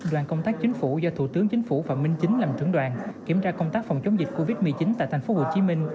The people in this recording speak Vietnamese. đoàn công tác chính phủ do thủ tướng chính phủ phạm minh chính làm trưởng đoàn kiểm tra công tác phòng chống dịch covid một mươi chín tại tp hcm